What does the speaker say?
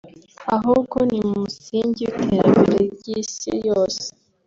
ahubwo ni n’umusingi w’ iterambere ry’Isi yose